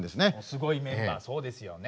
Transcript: すごいメンバーそうですよね